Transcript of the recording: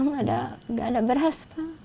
nggak ada beras pak